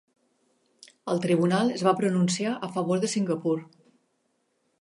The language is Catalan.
El Tribunal es va pronunciar a favor de Singapur.